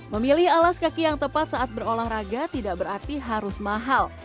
memilih alas kaki yang tepat saat berolahraga tidak berarti harus mahal